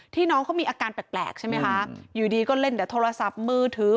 น้องเขามีอาการแปลกใช่ไหมคะอยู่ดีก็เล่นแต่โทรศัพท์มือถือ